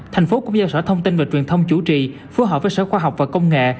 thành phố cũng giao sở thông tin và truyền thông chủ trì phối hợp với sở khoa học và công nghệ